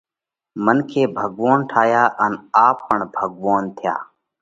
منکي ڀڳوونَ ٺايا ان آپ پڻ ڀڳوونَ ٿيا۔